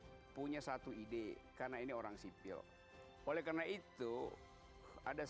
oleh karena itu lsm itu punya satu ide karena ini orang sipil oleh karena itu lsm itu punya satu ide karena ini orang sipil oleh karena itu